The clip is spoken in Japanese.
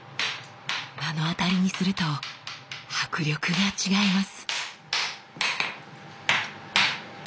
目の当たりにすると迫力が違います。